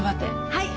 はい。